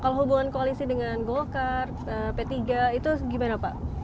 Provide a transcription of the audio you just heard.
kalau hubungan koalisi dengan golkar p tiga itu gimana pak